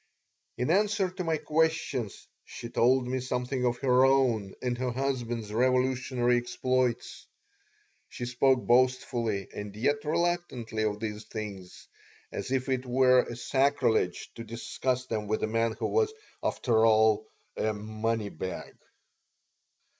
In answer to my questions she told me something of her own and her husband's revolutionary exploits. She spoke boastfully and yet reluctantly of these things, as if it were a sacrilege to discuss them with a man who was, after all, a "money bag."